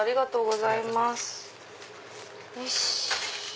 よし！